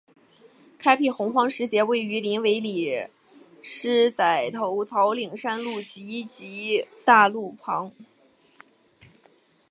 开辟鸿荒石碣位于林尾里狮仔头草岭山路集集大桥旁。